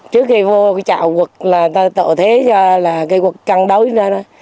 trước khi vô cái chạo quất là tạo thế cho là cây quất căng đối ra đó